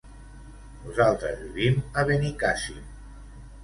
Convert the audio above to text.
Nosaltres vivim a Benicàssim.